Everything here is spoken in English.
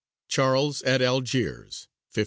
CHARLES AT ALGIERS. 1541.